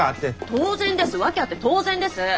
当然です訳あって当然です！